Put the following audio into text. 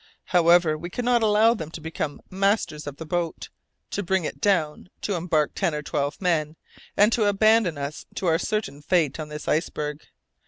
However, we could not allow them to become masters of the boat, to bring it down, to embark ten or twelve men, and to abandon us to our certain fate on this iceberg.